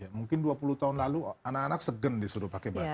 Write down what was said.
mungkin dua puluh tahun lalu anak anak segen disuruh pakai baju